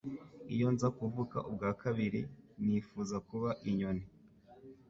Iyo nza kuvuka ubwa kabiri, nifuza kuba inyoni.